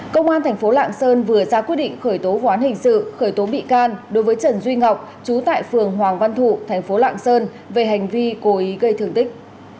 công an thành phố lạng sơn vừa ra quyết định khởi tố vụ án hình sự khởi tố bị can đối với trần duy ngọc chú tại phường hoàng văn thụ thành phố lạng sơn về hành vi cố ý gây thương tích